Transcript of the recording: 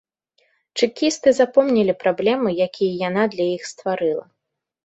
Чэкісты запомнілі праблемы, якія яна для іх стварыла.